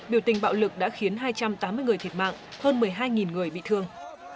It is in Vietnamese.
biểu tình bạo lực đã khiến hai trăm tám mươi người thiệt mạng hơn một mươi hai người bị thương